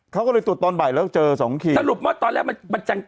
เขาก็เลยตรวจตอนบ่ายแล้วเจอสองขีดสรุปว่าตอนแรกมันมันจัง